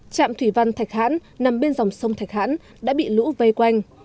trạm thủy văn thạch hãn nằm bên dòng sông thạch hãn đã bị lũ vây quanh